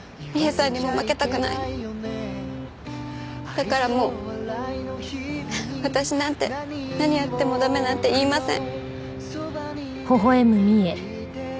だからもう私なんて何やっても駄目なんて言いません。